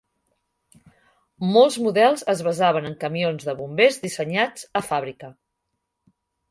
Molts models es basaven en camions de bombers dissenyats a fàbrica.